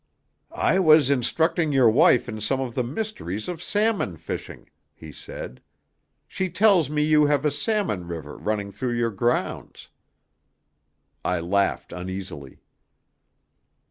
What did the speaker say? "I was instructing your wife in some of the mysteries of salmon fishing," he said. "She tells me you have a salmon river running through your grounds." I laughed uneasily.